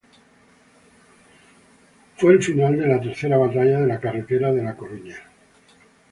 Fue el final de la Tercera batalla de la carretera de La Coruña.